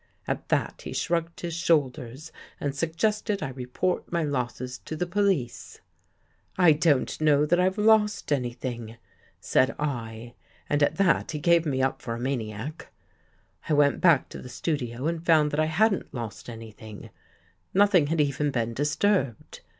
At that he shrugged his shoulders and suggested I report my losses to the police. "' I don't know that I've lost anything,' said I, and at that he gave me^^up for a maniac. " I went back to the studio and found that I hadn't lost anything — nothing had even been disturbed.